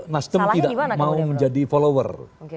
nasdem tidak mau menjadi follower